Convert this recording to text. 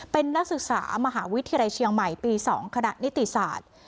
เป็นนักศึกษามหาวิทยาลัยเชียงใหม่ปี๒คณะนิติศาสตร์